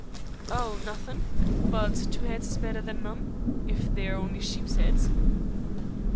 "Oh, nothin', but two 'eads is better'n one, if they're only sheep's 'eads."